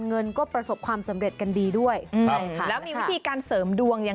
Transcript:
เงินก็ประสบความสำเร็จกันดีด้วยใช่ค่ะแล้วมีวิธีการเสริมดวงอย่าง